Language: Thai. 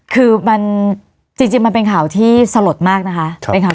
คือมันจริงมันเป็นข่าวที่สลดมากนะคะ